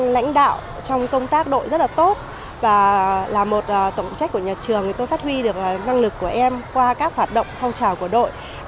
là một tổng trách của nhà trường tôi phát huy được năng lực của em qua các hoạt động phong trào của đội